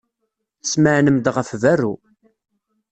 Tesmeɛnem-d ɣef berru.